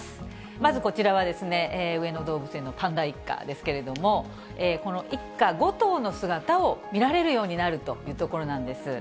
まずこちらは上野動物園のパンダ一家ですけれども、この一家５頭の姿を見られるようになるというところなんです。